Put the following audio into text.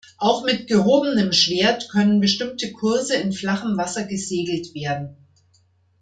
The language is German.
Auch mit gehobenem Schwert können bestimmte Kurse in flachem Wasser gesegelt werden.